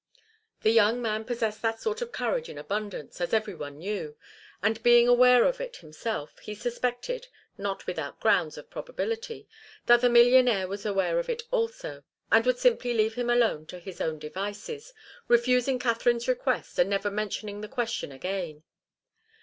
The young man possessed that sort of courage in abundance, as every one knew, and being aware of it himself, he suspected, not without grounds of probability, that the millionaire was aware of it also, and would simply leave him alone to his own devices, refusing Katharine's request, and never mentioning the question again.